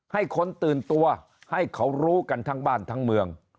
ให้คนตื่นตัวให้เขารู้กันทั้งบ้านทั้งเมือง